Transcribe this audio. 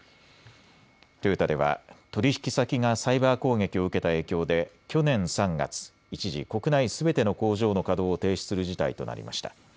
トヨタでは取引先がサイバー攻撃を受けた影響で去年３月、一時、国内すべての工場の稼働を停止する事態となりました。